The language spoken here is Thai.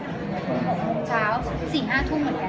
มันจากกินเช้า๔๕ทุ่มเหมือนกัน